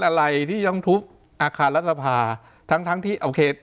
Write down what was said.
อะไรที่ต้องทุบอาคารรัฐสภาทั้งทั้งที่โอเค